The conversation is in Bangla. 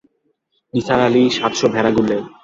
নিসার আলি সাত শ ভেড়া গুনলেন।